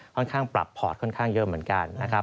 ค่อนข้างปรับพอร์ตค่อนข้างเยอะเหมือนกัน